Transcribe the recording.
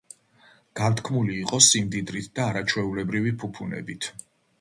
განთქმული იყო სიმდიდრით და არაჩვეულებრივი ფუფუნებით.